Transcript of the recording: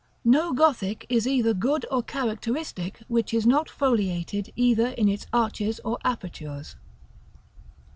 No Gothic is either good or characteristic which is not foliated either in its arches or apertures.